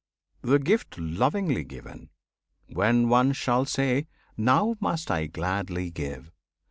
The gift lovingly given, when one shall say "Now must I gladly give!"